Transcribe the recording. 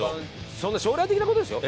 そんな将来的な事ですよ。